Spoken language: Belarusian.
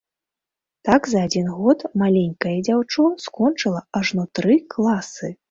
Так за адзін год маленькае дзяўчо скончыла ажно тры класы!